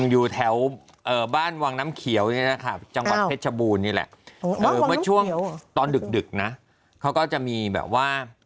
อยู่แถวบ้านวางน้ำเขียวนี้นะคะจังหวัดเทชบูนเนี่ยแหละตอนดึกนะเขาก็จะมีแบบว่า